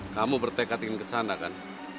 kamu bertekad ingin ke sana kan